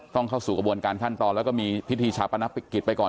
เข้าสู่กระบวนการขั้นตอนแล้วก็มีพิธีชาปนกิจไปก่อน